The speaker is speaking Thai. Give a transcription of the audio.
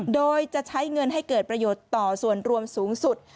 โดยจะใช้เงินให้เกิดประโยชน์ต่อส่วนรวมสูงสุด